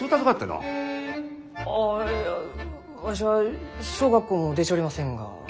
あいやわしは小学校も出ちょりませんが。